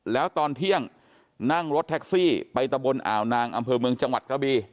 แล้วตอนเที่ยงนั่งรถแท็กซี่ไปตะบนอ่าวนางอำเภอเมืองจังหวัดกระบี